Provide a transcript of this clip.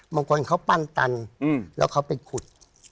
บางคนเขาปั้นตันแล้วเขาไปขุด